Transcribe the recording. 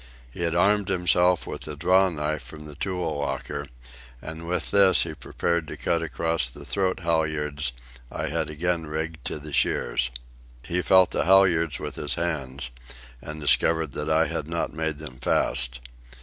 He had armed himself with a draw knife from the tool locker, and with this he prepared to cut across the throat halyards I had again rigged to the shears. He felt the halyards with his hands and discovered that I had not made them fast.